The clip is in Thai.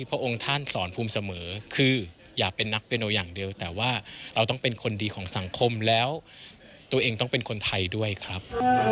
เราต้องเป็นคนดีของสังคมแล้วตัวเองต้องเป็นคนไทยด้วยครับ